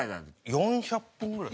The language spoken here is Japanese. ４００本ぐらい。